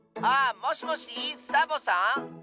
あっもしもしサボさん？